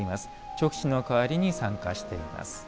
勅使の代わりに参加しています。